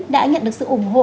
đã nhận được sự ủng hộ